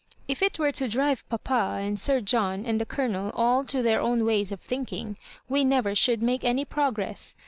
If it were to drive papa and Sir John and the Colonel all to their own ways of thinking, we never should make any progpress.